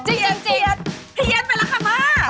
เพียสไปละคำภาพ